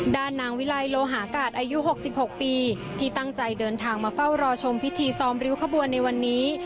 นางวิลัยโลหากาศอายุ๖๖ปีที่ตั้งใจเดินทางมาเฝ้ารอชมพิธีซ้อมริ้วขบวนในวันนี้